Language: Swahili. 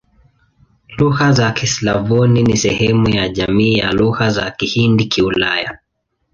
Lugha za Kislavoni ni sehemu ya jamii ya Lugha za Kihindi-Kiulaya.